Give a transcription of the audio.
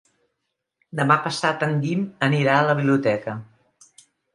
Demà passat en Guim anirà a la biblioteca.